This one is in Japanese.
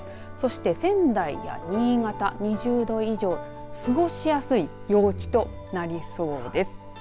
そして仙台や新潟、２０度以上過ごしやすい陽気となりそうです。